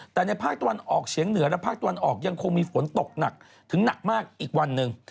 แต่ในภาคตะวันออกเฉียงเหนือและภาคตะวันออกยังคงมีฝนตกหนักถึงหนักมากอีกวันหนึ่ง